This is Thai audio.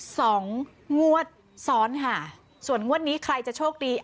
สองงวดซ้อนค่ะส่วนงวดนี้ใครจะโชคดี